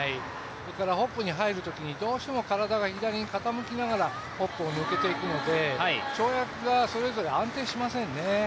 それからホップに入るときにどうしても体が左に傾きながらホップを抜けていくので、跳躍がそれぞれ安定しませんね。